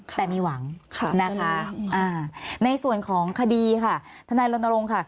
แต่มีหวังในส่วนของคดีค่ะธนายลลงค่ะ